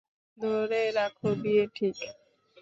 ধরে রাখ বিয়ে ঠিক।